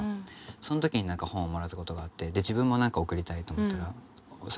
そん時に本をもらったことがあってで自分も何か贈りたいと思ったらそれも贈り同じ本を。